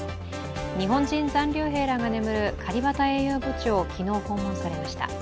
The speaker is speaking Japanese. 日本人残留兵らが眠るカリバタ英雄墓地を昨日訪問されました。